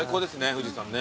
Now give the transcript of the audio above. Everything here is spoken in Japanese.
富士山ね。